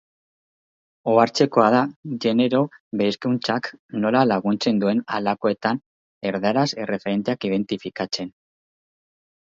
Ohartzekoa da genero-bereizkuntzak nola laguntzen duen halakoetan, erdaraz, erreferenteak identifikatzen.